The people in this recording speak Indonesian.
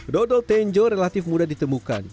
dodol tenjo relatif mudah ditemukan